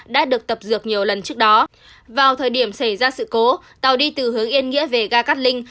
đã được tập dược nhiều lần trước đó vào thời điểm xảy ra sự cố tàu đi từ hướng yên nghĩa về ga cát linh